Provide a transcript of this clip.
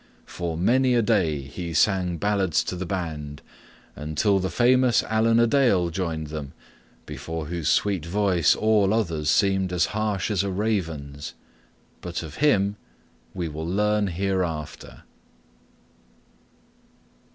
For many a day he sang ballads to the band, until the famous Allan a Dale joined them, before whose sweet voice all others seemed as harsh as a raven's; but of him we will learn hereafter.